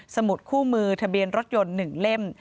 สมุดคู่มือทะเบียนรถยนต์๑เล่ม